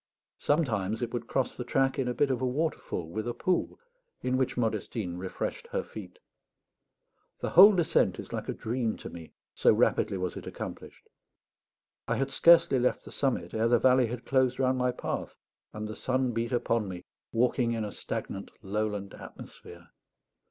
Sometimes it would cross the track in a bit of waterfall, with a pool, in which Modestine refreshed her feet. The whole descent is like a dream to me, so rapidly was it accomplished. I had scarcely left the summit ere the valley had closed round my path, and the sun beat upon me, walking in a stagnant lowland atmosphere.